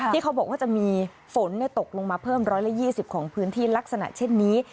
ที่เขาบอกว่าจะมีฝนตกลงมาเพิ่ม๑๒๐ของพื้นที่ลักษณะเช่นนี้